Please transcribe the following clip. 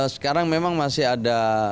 sekarang memang masih ada